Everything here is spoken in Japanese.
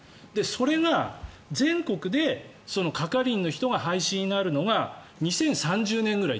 それが、全国で係員の人が廃止になるのが２０３０年ぐらい。